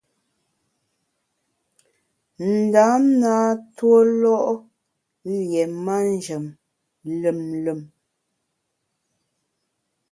Ndam na ntuólo’ lié manjem lùm lùm.